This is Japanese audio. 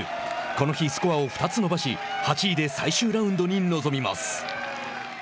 この日、スコアを２つ伸ばし８位で最終ラウンドに臨みます。